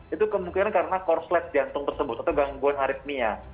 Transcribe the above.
itu kemungkinan karena korslet jantung tersebut atau gangguan aritmia